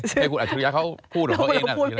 ให้คุณอัธริยะเขาพูดบอก